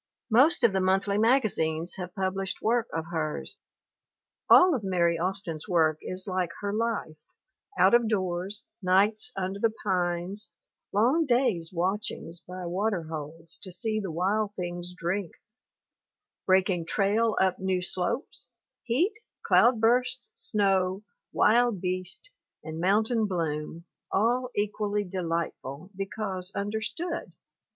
Most of the monthly magazines have pub lished work of hers. All of Mary Austin's work is like her life, out of doors, nights under the pines, long days' watchings by water holes to see the wild things drink, breaking trail up new slopes, heat, cloud bursts, snow, wild beast and mountain bloom, all equally delightful be cause understood.